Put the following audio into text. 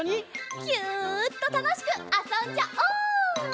ギュッとたのしくあそんじゃおう！